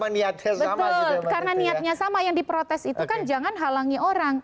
betul karena niatnya sama yang diprotes itu kan jangan halangi orang